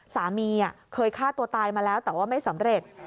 สามีเคยฆ่าตัวตายมาแล้วแต่ว่าไม่สำเร็จ